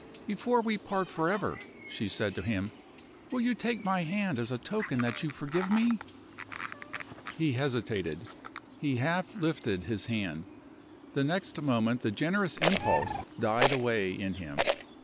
"Before we part forever," she said to him, "will you take my hand as a token that you forgive me?" He hesitated. He half lifted his hand. The next moment the generous impulse died away in him.